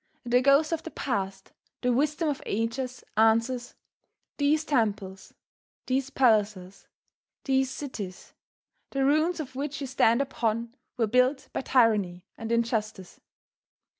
And the Ghost of the Past, the wisdom of ages, answers: These temples, these palaces, these cities, the ruins of which you stand upon were built by tyranny and injustice.